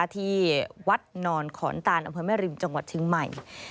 ที่วัดนอนขอนตานอำเภอแม่ริมจังหวัดเชียงใหม่